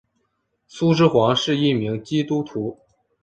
苏施黄是一名基督徒。